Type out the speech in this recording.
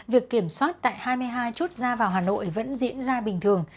việc kiểm soát tại hai mươi hai chốt ra vào hà nội vẫn diễn ra bình thường